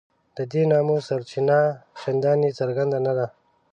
د دې نامه سرچینه چنداني څرګنده نه ده.